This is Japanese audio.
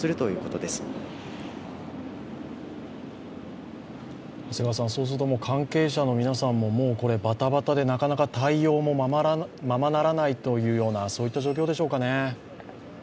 とすると、関係者の皆さんもバタバタでなかなか対応もままならないといった状況でしょうかね。